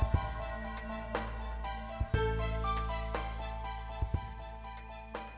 tapi memang tipsnya ini juga adalah